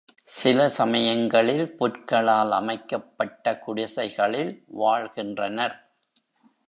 சில சமயங்களில் புற்களால் அமைக்கப்பட்ட குடிசைகளில் வாழ்கின்றனர்.